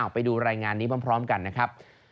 ไปดูรายงานนี้พร้อมกันนะครับ